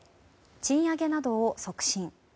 賃上げなどを促進。